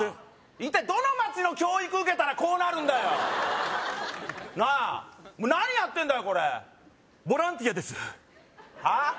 一体どの街の教育受けたらこうなるんだよなあ何やってんだよこれボランティアですはあ？